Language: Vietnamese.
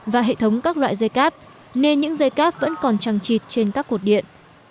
và hệ thống các loại dây cáp nên những dây cáp vẫn còn trăng trịt trên các cột điện